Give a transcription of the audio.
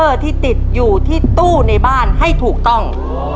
สติ๊กเกอร์ที่ติดอยู่ที่ตู้ในบ้านให้ถูกต้อง